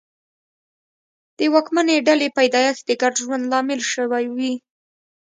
د واکمنې ډلې پیدایښت د ګډ ژوند لامل شوي وي.